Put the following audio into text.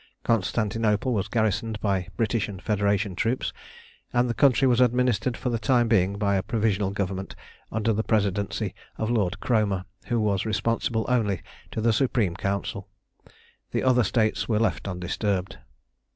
Constantinople was garrisoned by British and Federation troops, and the country was administered for the time being by a Provisional Government under the presidency of Lord Cromer, who was responsible only to the Supreme Council. The other States were left undisturbed.